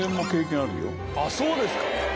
あっそうですか。